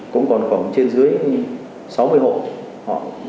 cũng còn khoảng trên dưới sáu mươi hộ